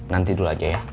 nanti dulu aja ya